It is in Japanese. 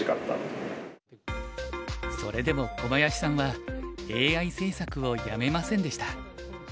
それでも小林さんはＡＩ制作をやめませんでした。